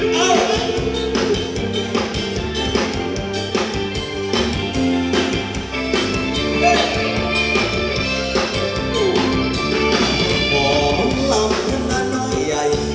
ฟอร์นลำดังหน้าหน่อยไม้